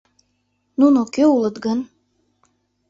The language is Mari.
Нуно кӧ улыт гын?